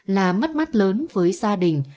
là mắt mắt lớn với gia đình